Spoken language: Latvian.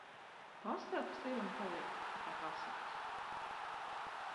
Pasakas ir un paliek tikai pasakas